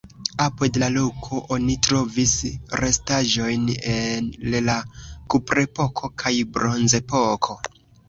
Apud la loko oni trovis restaĵojn el la kuprepoko kaj bronzepoko.